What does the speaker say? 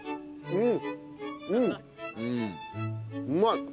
うん。